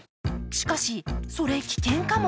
しかし、それ危険かも。